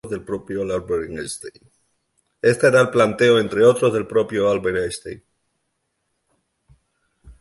Este era el planteo entre otros del propio Albert Einstein.